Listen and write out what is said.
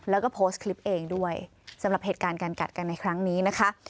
แล้วก็โพสต์คลิปเองด้วยสำหรับเหตุการณ์การกัดกันในครั้งนี้นะคะ